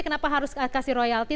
kenapa harus memberikan royalti